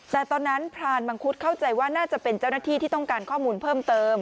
แต่ตอนนั้นพรานมังคุดเข้าใจว่าน่าจะเป็นเจ้าหน้าที่ที่ต้องการข้อมูลเพิ่มเติม